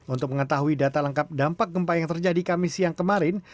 untuk mengetahui data lengkap dampak gempa yang terjadi kami siang kemarin